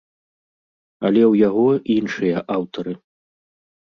Але ў яго іншыя аўтары.